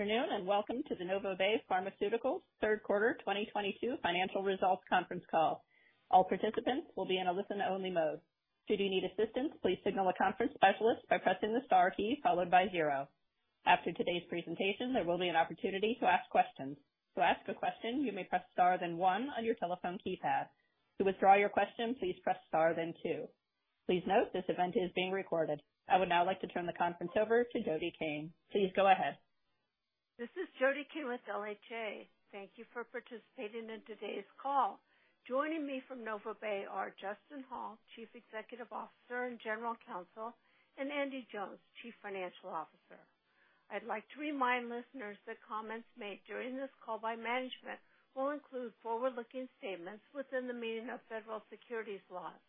Afternoon, welcome to the NovaBay Pharmaceuticals third quarter 2022 financial results conference call. All participants will be in a listen only mode. Should you need assistance, please signal a conference specialist by pressing the star key followed by zero. After today's presentation, there will be an opportunity to ask questions. To ask a question, you may press star then one on your telephone keypad. To withdraw your question, please press star then two. Please note this event is being recorded. I would now like to turn the conference over to Jody Cain. Please go ahead. This is Jody Cain with LHA. Thank you for participating in today's call. Joining me from NovaBay are Justin Hall, Chief Executive Officer and General Counsel, and Andy Jones, Chief Financial Officer. I'd like to remind listeners that comments made during this call by management will include forward-looking statements within the meaning of federal securities laws.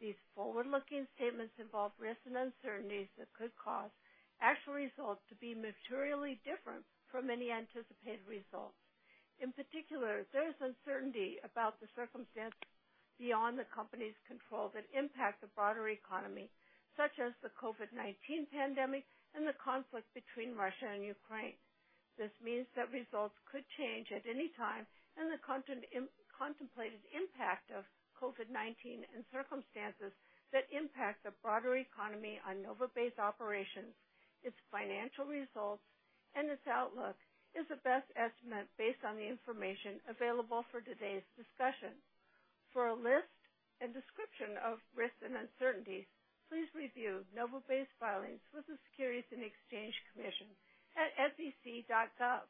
These forward-looking statements involve risks and uncertainties that could cause actual results to be materially different from any anticipated results. In particular, there is uncertainty about the circumstances beyond the company's control that impact the broader economy, such as the COVID-19 pandemic and the conflict between Russia and Ukraine. This means that results could change at any time, and the contemplated impact of COVID-19 and circumstances that impact the broader economy on NovaBay's operations, its financial results, and its outlook is a best estimate based on the information available for today's discussion. For a list and description of risks and uncertainties, please review NovaBay's filings with the Securities and Exchange Commission at sec.gov.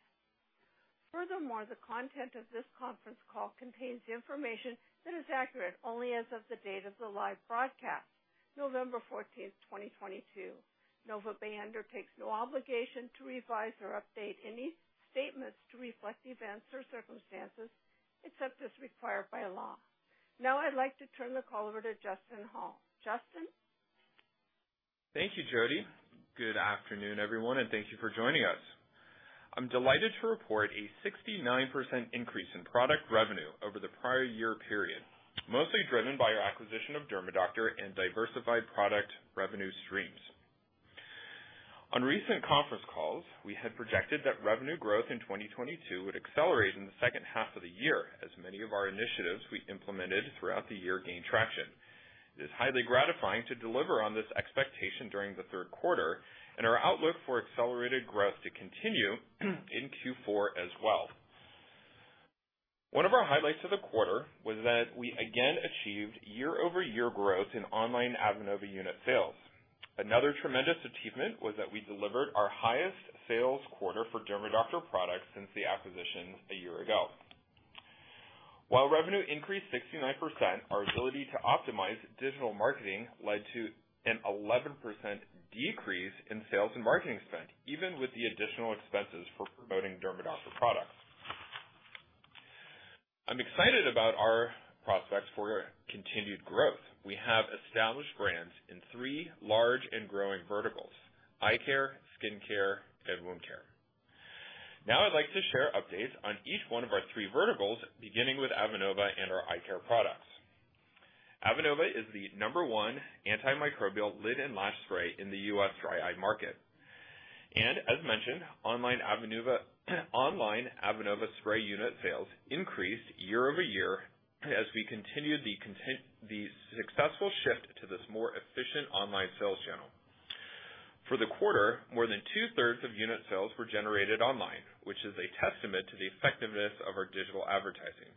Furthermore, the content of this conference call contains information that is accurate only as of the date of the live broadcast, November 14, 2022. NovaBay undertakes no obligation to revise or update any statements to reflect events or circumstances, except as required by law. Now I'd like to turn the call over to Justin Hall. Justin? Thank you, Jody. Good afternoon, everyone, and thank you for joining us. I'm delighted to report a 69% increase in product revenue over the prior year period, mostly driven by our acquisition of DERMAdoctor and diversified product revenue streams. On recent conference calls, we had projected that revenue growth in 2022 would accelerate in the second half of the year as many of our initiatives we implemented throughout the year gained traction. It is highly gratifying to deliver on this expectation during the third quarter and our outlook for accelerated growth to continue in Q4 as well. One of our highlights of the quarter was that we again achieved year-over-year growth in online Avenova unit sales. Another tremendous achievement was that we delivered our highest sales quarter for DERMAdoctor products since the acquisition a year ago. While revenue increased 69%, our ability to optimize digital marketing led to an 11% decrease in sales and marketing spend, even with the additional expenses for promoting DERMAdoctor products. I'm excited about our prospects for continued growth. We have established brands in three large and growing verticals, eye care, skincare, and wound care. Now I'd like to share updates on each one of our three verticals, beginning with Avenova and our eye care products. Avenova is the number one antimicrobial lid and lash spray in the U.S. dry eye market. As mentioned, online Avenova spray unit sales increased year-over-year as we continued the successful shift to this more efficient online sales channel. For the quarter, more than two-thirds of unit sales were generated online, which is a testament to the effectiveness of our digital advertising.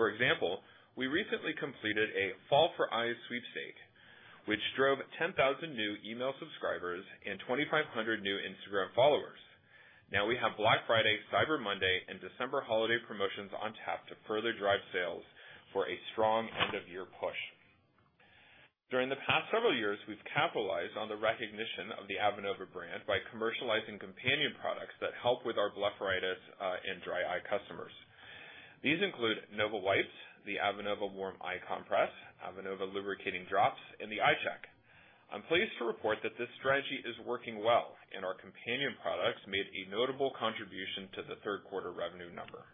For example, we recently completed a Fall for Eyes sweepstakes, which drove 10,000 new email subscribers and 2,500 new Instagram followers. Now we have Black Friday, Cyber Monday, and December holiday promotions on tap to further drive sales for a strong end of year push. During the past several years, we've capitalized on the recognition of the Avenova brand by commercializing companion products that help with our blepharitis and dry eye customers. These include NovaWipes, the Avenova Warm Eye Compress, Avenova Lubricating Eye Drops, and the i-Chek. I'm pleased to report that this strategy is working well and our companion products made a notable contribution to the third quarter revenue number.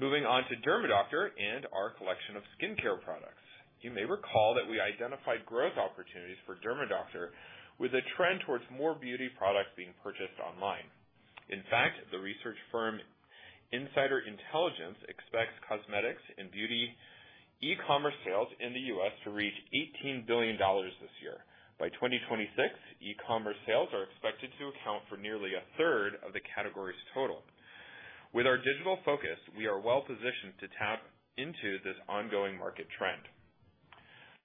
Moving on to DERMAdoctor and our collection of skincare products. You may recall that we identified growth opportunities for DERMAdoctor with a trend towards more beauty products being purchased online. In fact, the research firm Insider Intelligence expects cosmetics and beauty e-commerce sales in the U.S. to reach $18 billion this year. By 2026, e-commerce sales are expected to account for nearly a third of the category's total. With our digital focus, we are well positioned to tap into this ongoing market trend.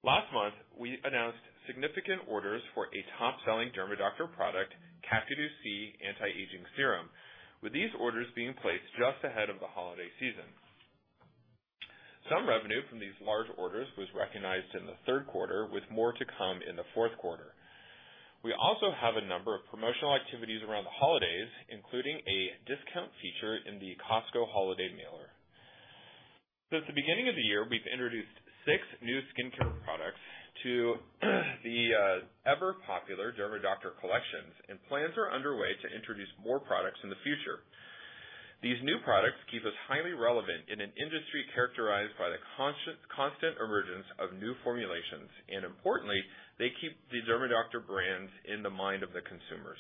Last month, we announced significant orders for a top-selling DERMAdoctor product, Kakadu C 20% Vitamin C Serum with Ferulic Acid & Vitamin E, with these orders being placed just ahead of the holiday season. Some revenue from these large orders was recognized in the third quarter, with more to come in the fourth quarter. We also have a number of promotional activities around the holidays, including a discount feature in the Costco holiday mailer. Since the beginning of the year, we've introduced six new skincare products to the ever-popular DERMAdoctor collections, and plans are underway to introduce more products in the future. These new products keep us highly relevant in an industry characterized by the constant emergence of new formulations, and importantly, they keep the DERMAdoctor brands in the mind of the consumers.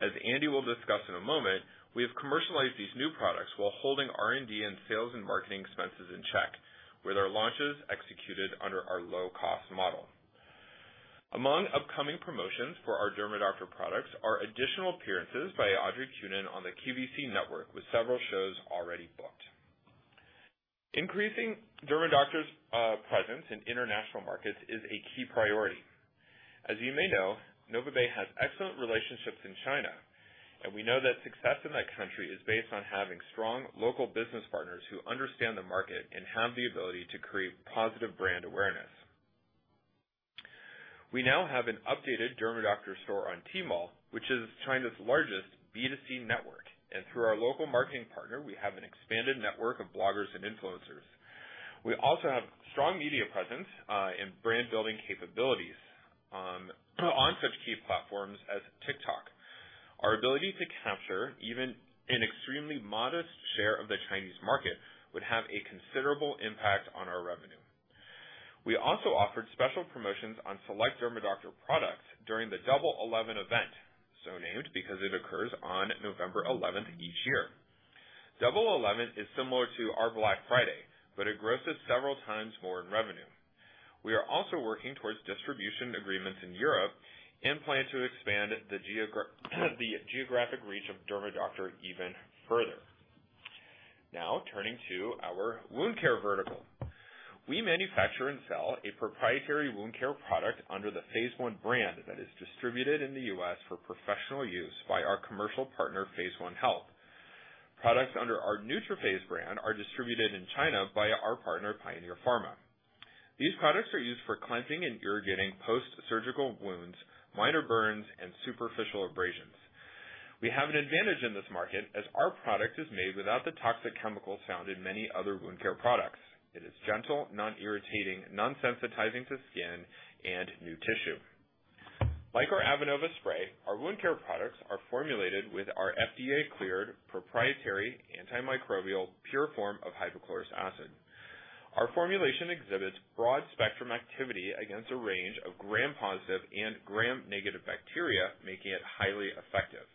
As Andy will discuss in a moment, we have commercialized these new products while holding R&D and sales and marketing expenses in check with our launches executed under our low-cost model. Among upcoming promotions for our DERMAdoctor products are additional appearances by Audrey Kunin on the QVC network, with several shows already booked. Increasing DERMAdoctor's presence in international markets is a key priority. As you may know, NovaBay has excellent relationships in China, and we know that success in that country is based on having strong local business partners who understand the market and have the ability to create positive brand awareness. We now have an updated DERMAdoctor store on Tmall, which is China's largest B2C network. Through our local marketing partner, we have an expanded network of bloggers and influencers. We also have strong media presence and brand building capabilities on such key platforms as TikTok. Our ability to capture even an extremely modest share of the Chinese market would have a considerable impact on our revenue. We also offered special promotions on select DERMAdoctor products during the Double Eleven event, so named because it occurs on November eleventh each year. Double Eleven is similar to our Black Friday, but it grosses several times more in revenue. We are also working towards distribution agreements in Europe and plan to expand the geographic reach of DERMAdoctor even further. Now turning to our wound care vertical. We manufacture and sell a proprietary wound care product under the PhaseOne brand that is distributed in the U.S. for professional use by our commercial partner, PhaseOne Health. Products under our NeutroPhase brand are distributed in China by our partner, Pioneer Pharma. These products are used for cleansing and irrigating post-surgical wounds, minor burns, and superficial abrasions. We have an advantage in this market as our product is made without the toxic chemicals found in many other wound care products. It is gentle, non-irritating, non-sensitizing to skin and new tissue. Like our Avenova spray, our wound care products are formulated with our FDA-cleared proprietary antimicrobial pure form of hypochlorous acid. Our formulation exhibits broad-spectrum activity against a range of gram-positive and gram-negative bacteria, making it highly effective.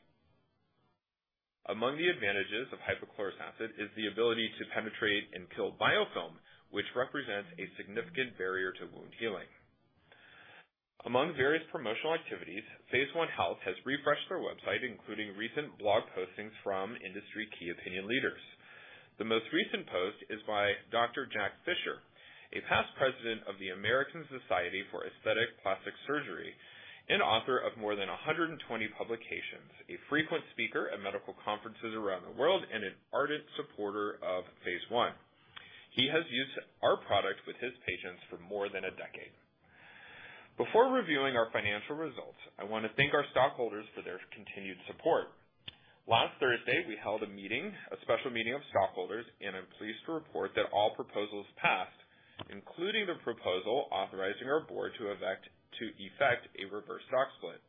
Among the advantages of hypochlorous acid is the ability to penetrate and kill biofilm, which represents a significant barrier to wound healing. Among various promotional activities, PhaseOne Health has refreshed their website, including recent blog postings from industry key opinion leaders. The most recent post is by Dr. Jack Fisher, a past president of the American Society for Aesthetic Plastic Surgery and author of more than 120 publications, a frequent speaker at medical conferences around the world, and an ardent supporter of PhaseOne. He has used our products with his patients for more than a decade. Before reviewing our financial results, I wanna thank our stockholders for their continued support. Last Thursday, we held a meeting, a special meeting of stockholders, and I'm pleased to report that all proposals passed, including the proposal authorizing our board to effect a reverse stock split.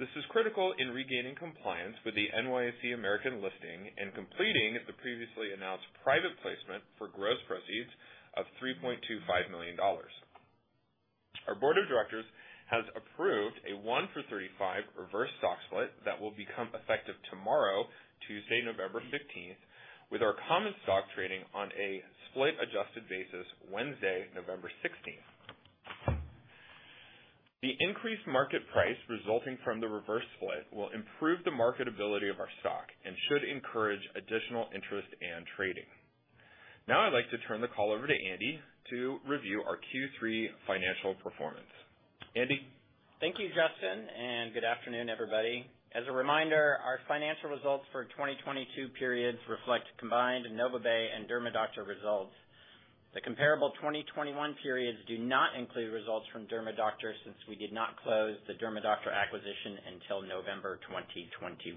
This is critical in regaining compliance with the NYSE American listing and completing the previously announced private placement for gross proceeds of $3.25 million. Our board of directors has approved a 1-for-35 reverse stock split that will become effective tomorrow, Tuesday, November 15th, with our common stock trading on a split adjusted basis Wednesday, November 16th. The increased market price resulting from the reverse split will improve the marketability of our stock and should encourage additional interest and trading. Now I'd like to turn the call over to Andy to review our Q3 financial performance. Andy? Thank you, Justin, and good afternoon, everybody. As a reminder, our financial results for 2022 periods reflect combined NovaBay and DERMAdoctor results. The comparable 2021 periods do not include results from DERMAdoctor since we did not close the DERMAdoctor acquisition until November 2021.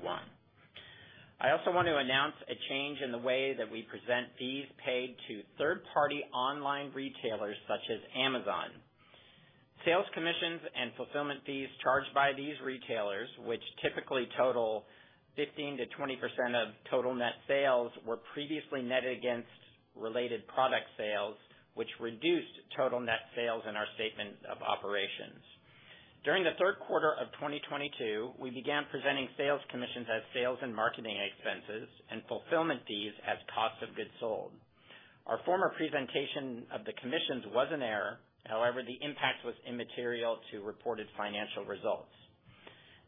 I also want to announce a change in the way that we present fees paid to third-party online retailers such as Amazon. Sales commissions and fulfillment fees charged by these retailers, which typically total 15%-20% of total net sales, were previously netted against related product sales, which reduced total net sales in our statement of operations. During the third quarter of 2022, we began presenting sales commissions as sales and marketing expenses and fulfillment fees as cost of goods sold. Our former presentation of the commissions was an error. However, the impact was immaterial to reported financial results.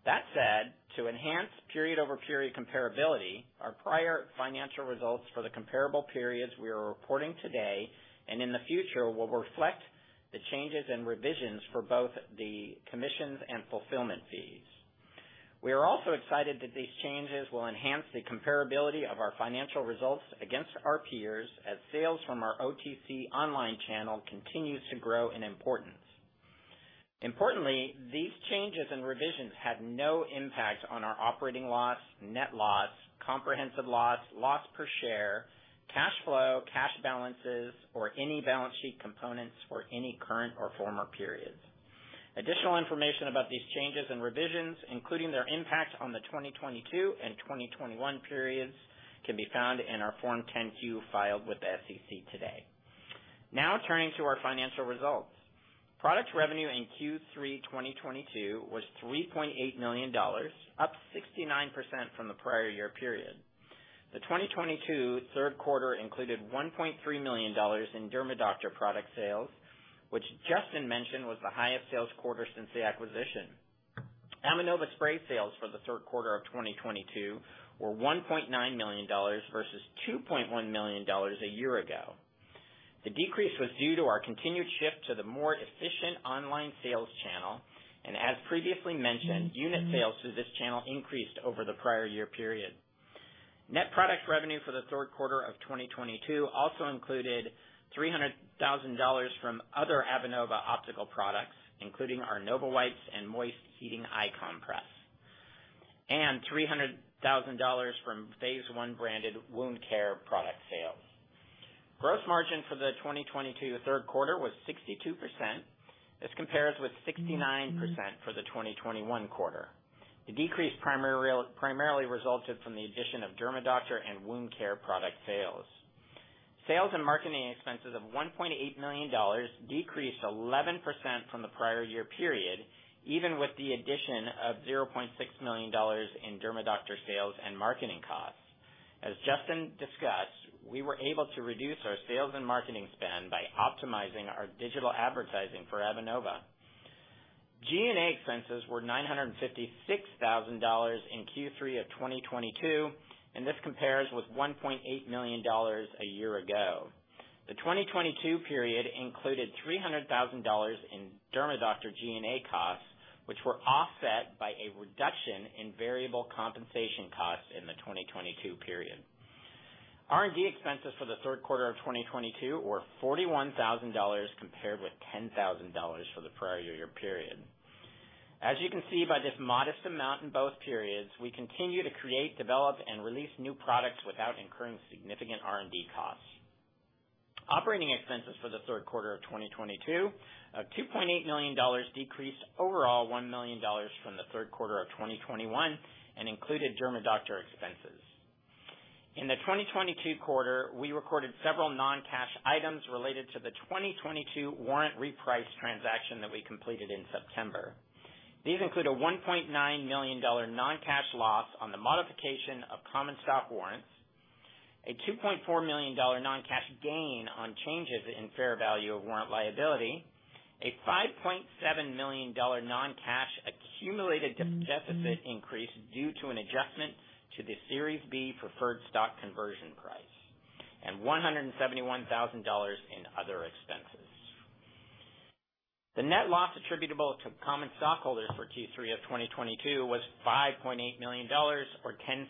That said, to enhance period-over-period comparability, our prior financial results for the comparable periods we are reporting today and in the future will reflect the changes and revisions for both the commissions and fulfillment fees. We are also excited that these changes will enhance the comparability of our financial results against our peers as sales from our OTC online channel continues to grow in importance. Importantly, these changes and revisions had no impact on our operating loss, net loss, comprehensive loss per share, cash flow, cash balances, or any balance sheet components for any current or former periods. Additional information about these changes and revisions, including their impact on the 2022 and 2021 periods, can be found in our Form 10-Q filed with the SEC today. Now turning to our financial results. Product revenue in Q3 2022 was $3.8 million, up 69% from the prior year period. The 2022 third quarter included $1.3 million in DERMAdoctor product sales, which Justin mentioned was the highest sales quarter since the acquisition. Avenova spray sales for the third quarter of 2022 were $1.9 million versus $2.1 million a year ago. The decrease was due to our continued shift to the more efficient online sales channel. As previously mentioned, unit sales through this channel increased over the prior year period. Net product revenue for the third quarter of 2022 also included $300,000 from other Avenova optical products, including our NovaWipes and moist heating eye compress, and $300,000 from PhaseOne branded wound care product sales. Gross margin for the 2022 third quarter was 62%. This compares with 69% for the 2021 third quarter. The decrease primarily resulted from the addition of DERMAdoctor and wound care product sales. Sales and marketing expenses of $1.8 million decreased 11% from the prior year period, even with the addition of $0.6 million in DERMAdoctor sales and marketing costs. As Justin discussed, we were able to reduce our sales and marketing spend by optimizing our digital advertising for Avenova. G&A expenses were $956,000 in Q3 of 2022, and this compares with $1.8 million a year ago. The 2022 period included $300,000 in DERMAdoctor G&A costs, which were offset by a reduction in variable compensation costs in the 2022 period. R&D expenses for the third quarter of 2022 were $41,000 compared with $10,000 for the prior year period. As you can see by this modest amount in both periods, we continue to create, develop, and release new products without incurring significant R&D costs. Operating expenses for the third quarter of 2022 of $2.8 million decreased overall $1 million from the third quarter of 2021 and included DERMAdoctor expenses. In the 2022 quarter, we recorded several non-cash items related to the 2022 warrant reprice transaction that we completed in September. These include a $1.9 million non-cash loss on the modification of common stock warrants, a $2.4 million non-cash gain on changes in fair value of warrant liability, a $5.7 million non-cash accumulated deficit increase due to an adjustment to the Series B preferred stock conversion price, and $171,000 in other expenses. The net loss attributable to common stockholders for Q3 of 2022 was $5.8 million or $0.10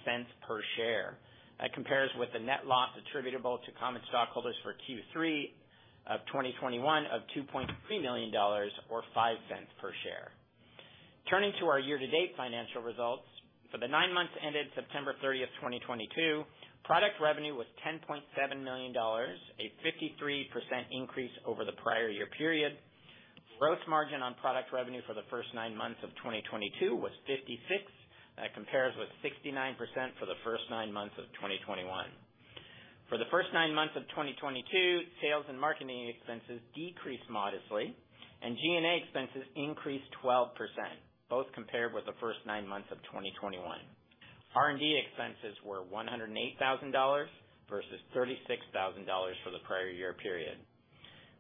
per share. That compares with the net loss attributable to common stockholders for Q3 of 2021 of $2.3 million or $0.05 per share. Turning to our year-to-date financial results. For the nine months ended September 30, 2022, product revenue was $10.7 million, a 53% increase over the prior year period. Gross margin on product revenue for the first nine months of 2022 was 56%. That compares with 69% for the first nine months of 2021. For the first nine months of 2022, sales and marketing expenses decreased modestly, and G&A expenses increased 12%, both compared with the first nine months of 2021. R&D expenses were $108,000 versus $36,000 for the prior year period.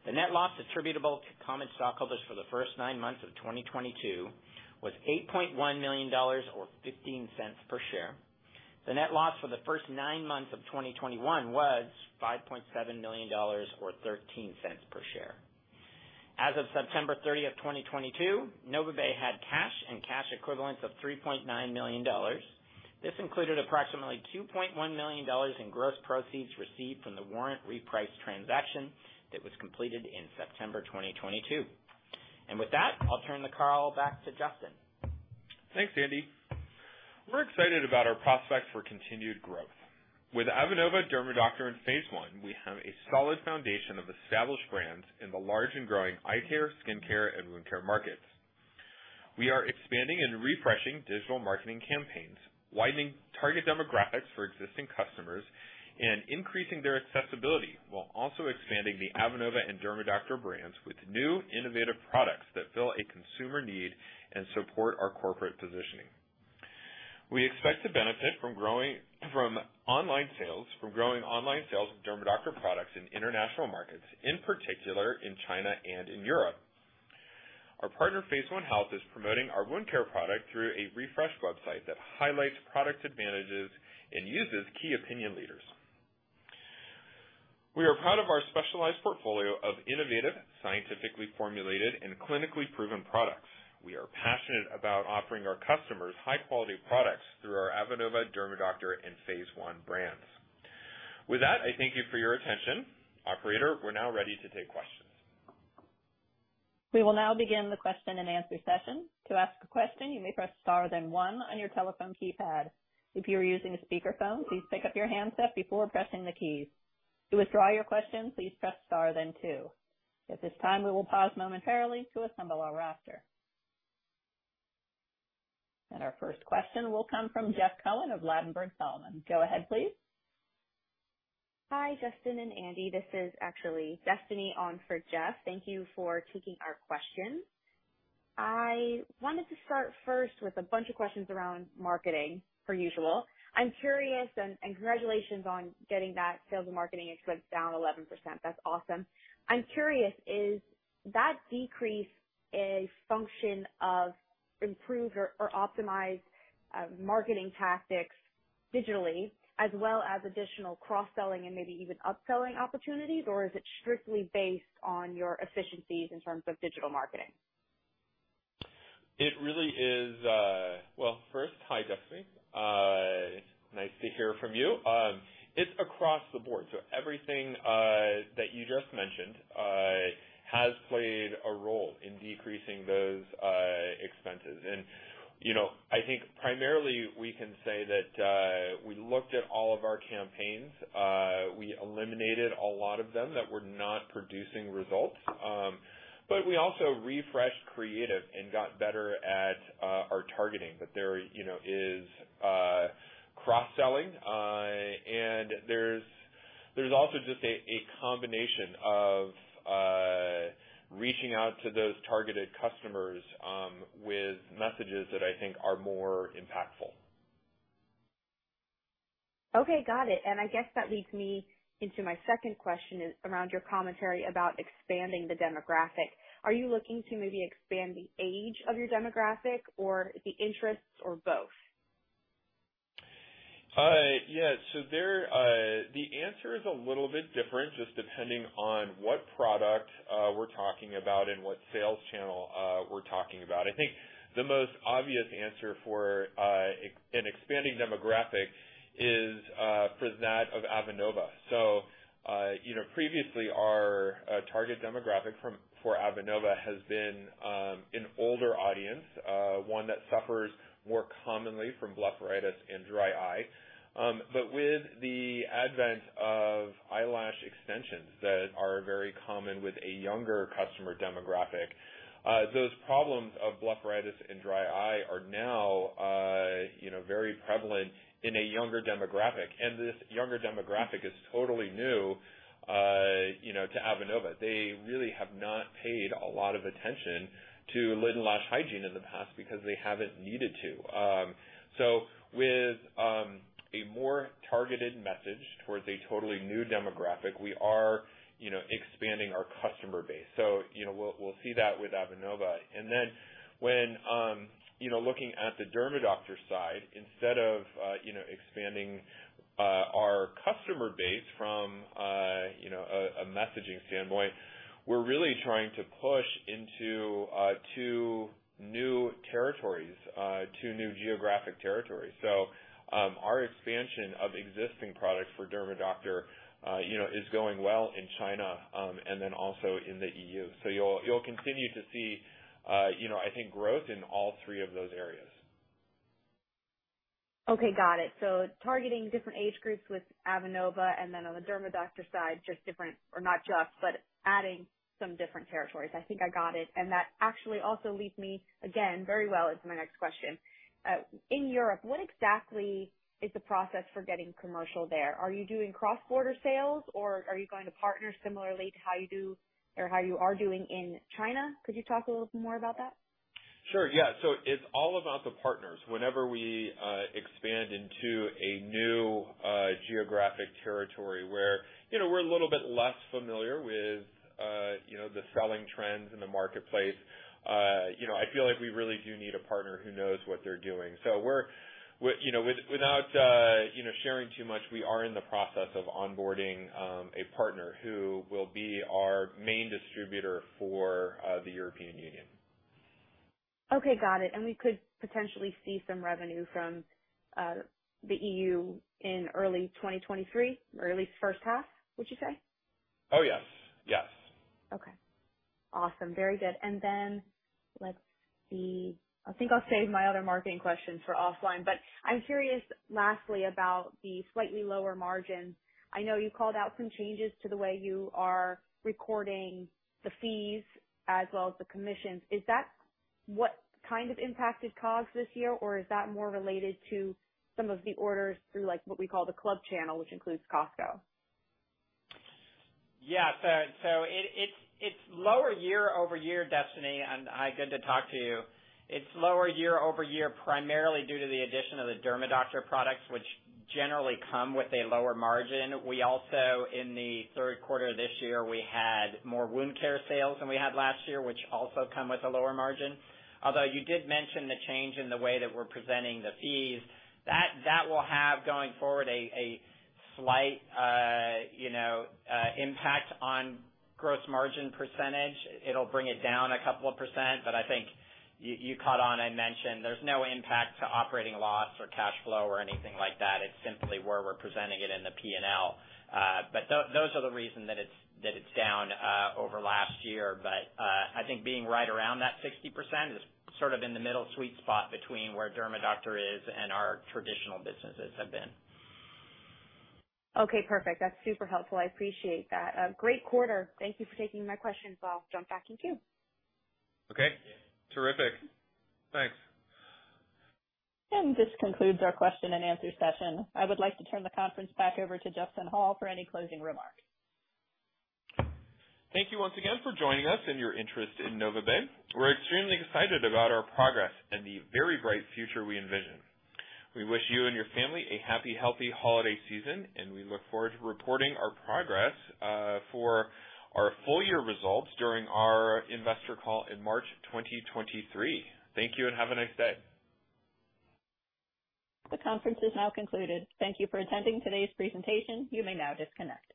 The net loss attributable to common stockholders for the first nine months of 2022 was $8.1 million or $0.15 per share. The net loss for the first nine months of 2021 was $5.7 million or $0.13 per share. As of September 30, 2022, NovaBay had cash and cash equivalents of $3.9 million. This included approximately $2.1 million in gross proceeds received from the warrant reprice transaction that was completed in September 2022. With that, I'll turn the call back to Justin. Thanks, Andy. We're excited about our prospects for continued growth. With Avenova, DERMAdoctor, and PhaseOne, we have a solid foundation of established brands in the large and growing eye care, skincare, and wound care markets. We are expanding and refreshing digital marketing campaigns, widening target demographics for existing customers, and increasing their accessibility, while also expanding the Avenova and DERMAdoctor brands with new innovative products that fill a consumer need and support our corporate positioning. We expect to benefit from growing online sales of DERMAdoctor products in international markets, in particular in China and in Europe. Our partner, PhaseOne Health, is promoting our wound care product through a refreshed website that highlights product advantages and uses key opinion leaders. We are proud of our specialized portfolio of innovative, scientifically formulated, and clinically proven products. We are passionate about offering our customers high-quality products through our Avenova, DERMAdoctor, and PhaseOne brands. With that, I thank you for your attention. Operator, we're now ready to take questions. We will now begin the question-and-answer session. To ask a question, you may press star then one on your telephone keypad. If you are using a speakerphone, please pick up your handset before pressing the keys. To withdraw your question, please press star then two. At this time, we will pause momentarily to assemble our roster. Our first question will come from Jeff Cohen of Ladenburg Thalmann. Go ahead, please. Hi, Justin and Andy. This is actually Destiny on for Jeff. Thank you for taking our questions. I wanted to start first with a bunch of questions around marketing, per usual. I'm curious, and congratulations on getting that sales and marketing expense down 11%. That's awesome. I'm curious, is that decrease a function of improved or optimized marketing tactics digitally as well as additional cross-selling and maybe even upselling opportunities, or is it strictly based on your efficiencies in terms of digital marketing? It really is. Well, first, hi, Destiny. Nice to hear from you. It's across the board, so everything that you just mentioned has played a role in decreasing those expenses. You know, I think primarily we can say that we looked at all of our campaigns. We eliminated a lot of them that were not producing results, but we also refreshed creative and got better at our targeting. There, you know, is cross-selling, and there's also just a combination of reaching out to those targeted customers with messages that I think are more impactful. Okay, got it. I guess that leads me into my second question is around your commentary about expanding the demographic. Are you looking to maybe expand the age of your demographic or the interests or both? The answer is a little bit different just depending on what product we're talking about and what sales channel we're talking about. I think the most obvious answer for an expanding demographic is for that of Avenova. You know, previously our target demographic for Avenova has been an older audience, one that suffers more commonly from blepharitis and dry eye. With the advent of eyelash extensions that are very common with a younger customer demographic, those problems of blepharitis and dry eye are now you know, very prevalent in a younger demographic, and this younger demographic is totally new you know, to Avenova. They really have not paid a lot of attention to lid and lash hygiene in the past because they haven't needed to. With a more targeted message towards a totally new demographic, we are, you know, expanding our customer base. You know, we'll see that with Avenova. When you know looking at the DERMAdoctor side, instead of you know expanding our customer base from you know a messaging standpoint, we're really trying to push into two new territories, two new geographic territories. Our expansion of existing products for DERMAdoctor is going well in China and then also in the EU. You'll continue to see you know I think growth in all three of those areas. Okay, got it. Targeting different age groups with Avenova, and then on the DERMAdoctor side, just different or not just, but adding some different territories. I think I got it. That actually also leads me, again, very well into my next question. In Europe, what exactly is the process for getting commercial there? Are you doing cross-border sales, or are you going to partner similarly to how you do or how you are doing in China? Could you talk a little bit more about that? Sure, yeah. It's all about the partners. Whenever we expand into a new geographic territory where, you know, we're a little bit less familiar with, you know, the selling trends in the marketplace, you know, I feel like we really do need a partner who knows what they're doing. We're you know, without, you know, sharing too much, we are in the process of onboarding a partner who will be our main distributor for the European Union. Okay, got it. We could potentially see some revenue from the EU in early 2023, early first half, would you say? Oh, yes. Yes. Okay. Awesome. Very good. Let's see. I think I'll save my other marketing questions for offline. I'm curious lastly about the slightly lower margins. I know you called out some changes to the way you are recording the fees as well as the commissions. Is that what kind of impact it caused this year, or is that more related to some of the orders through, like, what we call the club channel, which includes Costco? Yeah. It's lower year-over-year, Destiny, and good to talk to you. It's lower year-over-year, primarily due to the addition of the DERMAdoctor products, which generally come with a lower margin. We also, in the third quarter this year, we had more wound care sales than we had last year, which also come with a lower margin. Although you did mention the change in the way that we're presenting the fees. That will have, going forward, a slight you know impact on gross margin percentage. It'll bring it down a couple of %. I think you caught on and mentioned there's no impact to operating loss or cash flow or anything like that. It's simply where we're presenting it in the P&L. Those are the reason that it's down over last year. I think being right around that 60% is sort of in the middle sweet spot between where DERMAdoctor is and our traditional businesses have been. Okay, perfect. That's super helpful. I appreciate that. Great quarter. Thank you for taking my questions. I'll jump back in queue. Okay. Terrific. Thanks. This concludes our question and answer session. I would like to turn the conference back over to Justin Hall for any closing remarks. Thank you once again for joining us and your interest in NovaBay. We're extremely excited about our progress and the very bright future we envision. We wish you and your family a happy, healthy holiday season, and we look forward to reporting our progress for our full year results during our investor call in March 2023. Thank you and have a nice day. The conference is now concluded. Thank you for attending today's presentation. You may now disconnect.